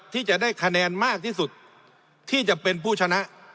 ที่จะได้คะแนนมากที่สุดที่จะเป็นผู้ชนะ